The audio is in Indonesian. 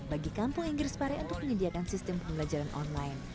bagi kampung inggris pare untuk menyediakan sistem pembelajaran online